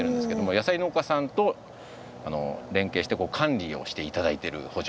野菜農家さんと連携して管理をして頂いてる圃場になります。